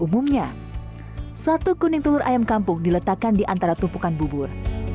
umumnya satu kuning telur ayam kampung diletakkan di antara tumpukan bubur